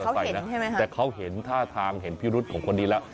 แต่เขาเห็นใช่ไหมครับแต่เขาเห็นท่าทางเห็นพิรุษของคนนี้แล้ว